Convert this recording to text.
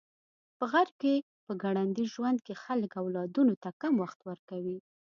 په غرب کې په ګړندي ژوند کې خلک اولادونو ته کم وخت ورکوي.